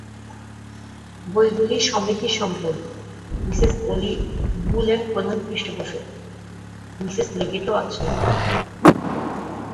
বইগুলি সমিতির সম্পদ, মিসেস ওলি বুল এর প্রধান পৃষ্ঠপোষক, মিসেস লেগেটও আছেন।